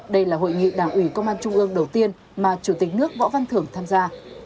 đây là hội nghị đảng ủy công an trung ương đầu tiên mà chủ tịch nước võ văn thưởng tham gia